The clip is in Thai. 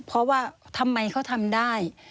เพราะว่าทำไมเขาทำได้